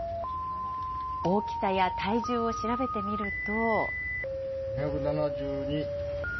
大きさや体重を調べてみると。